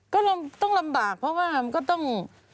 ก็ต้องลำบากเพราะว่ามันก็ต้อง